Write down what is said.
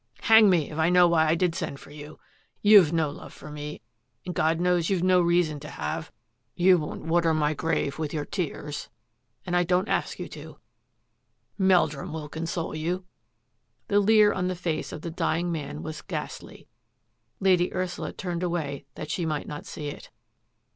Hang me if I know why I did send for you. You've no love for me and God knows you've no reason to have. You won't water my grave with your tears and I don't ask you to — Meldrum will console you." The leer on the face of the dying man was ghastly. Lady Ursula turned away that she might not see it.